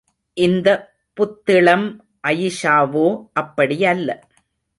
இந்த புத்திளம் அயிஷாவோ அப்படியல்ல.